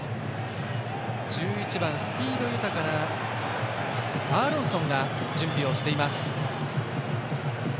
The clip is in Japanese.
１１番、スピード豊かなアーロンソンが準備をしています。